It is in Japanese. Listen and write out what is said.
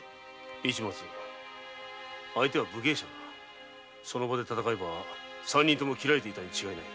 相手は武芸者だその場で戦えば３人共斬られていたに違いない。